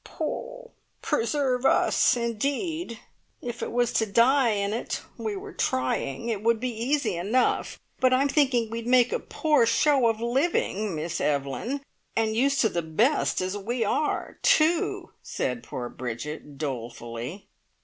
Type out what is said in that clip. "Preserve us! Indeed, if it was to die in it we were trying, it would be easy enough, but I'm thinking we'd make a poor show of living, Miss Evelyn! And used to the best as we are, too," said poor Bridget dolefully.